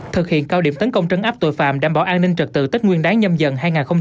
thực hiện cao điểm tấn công trấn áp tội phạm đảm bảo an ninh trật tự tích nguyên đáng nhâm dần